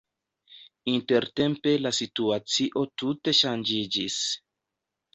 Intertempe la situacio tute ŝanĝiĝis.